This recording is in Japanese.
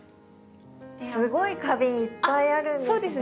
すごい花瓶いっぱいあるんですね。